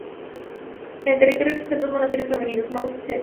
En el territorio existen dos monasterios femeninos: "Mount St.